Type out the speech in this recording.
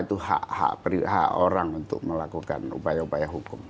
itu hak orang untuk melakukan upaya upaya hukum